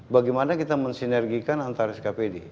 bagaimana kita mensinergikan antara skpd